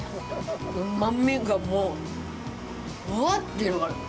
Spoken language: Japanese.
うまみが、もう、ぶわって広がる。